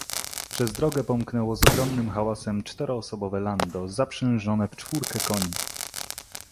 "Przez drogę pomknęło z ogromnym hałasem czteroosobowe lando, zaprzężone w czwórkę koni."